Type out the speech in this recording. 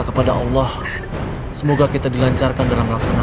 kau bisa sekolah gara gara siapa